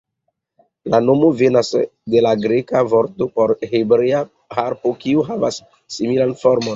La nomo venas de la greka vorto por hebrea harpo, kiu havas similan formon.